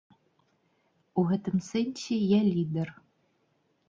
У гэтым сэнсе я лідар.